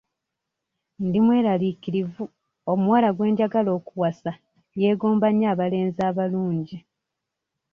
Ndi mweraliikirivu omuwala gwe njagala okuwasa yeegomba nnyo abalenzi abalungi.